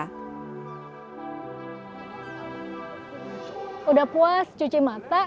ketika di insadong penyelamatkan dari kota ini menjadi satu perjalanan yang sangat menarik